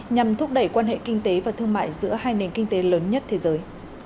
nhằm thúc đẩy quan hệ kinh tế và thương mại giữa hai nền kinh tế lớn nhất thế giới